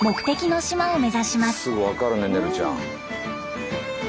すぐ分かるねねるちゃん。